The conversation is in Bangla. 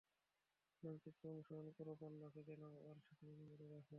মানচিত্র অনুসরণ কর, পান্না খুঁজে নাও আর সেটা নিরাপদে রাখো।